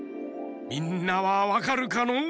みんなはわかるかのう？